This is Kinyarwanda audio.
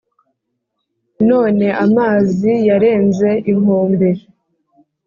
none amazi yarenze inkombe